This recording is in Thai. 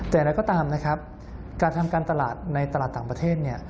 แต่อะไรก็ตามนะครับการทำการตลาดในตลาดต่างประเทศ